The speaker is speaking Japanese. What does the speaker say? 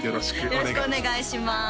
よろしくお願いします